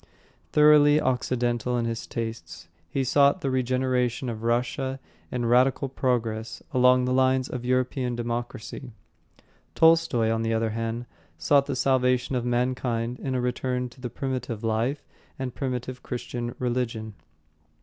Thoroughly Occidental in his tastes, he sought the regeneration of Russia in radical progress along the lines of European democracy. Tolstoy, on the other hand, sought the salvation of mankind in a return to the primitive life and primitive Christian religion.